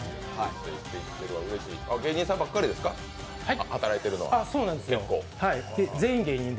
芸人さんばっかりですか働いてるのは？